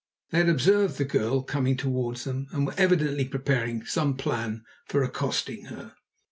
They had observed the girl coming towards them, and were evidently preparing some plan for accosting her.